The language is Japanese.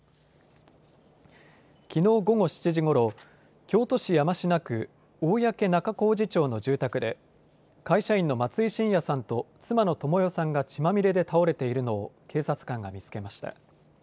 きのう午後７時ごろ、京都市山科区大宅中小路町の住宅で会社員の松井晋也さんと妻の倫代さんが血まみれで倒れているのを警察官が見つけました。